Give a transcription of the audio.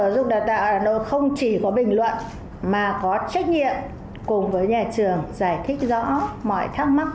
sở dục đào tạo hà nội không chỉ có bình luận mà có trách nhiệm cùng với nhà trường giải thích rõ mọi thắc mắc